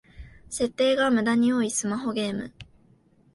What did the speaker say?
設定がムダに多いスマホゲーム